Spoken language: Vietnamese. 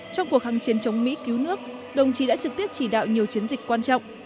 trong cuộc kháng chiến chống mỹ cứu nước đồng chí đã trực tiếp chỉ đạo nhiều chiến dịch quan trọng